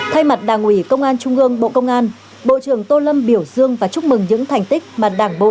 thay mặt đảng ủy công an trung ương bộ công an bộ trưởng tô lâm biểu dương và chúc mừng những thành tích mà đảng bộ